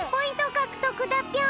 かくとくだぴょん！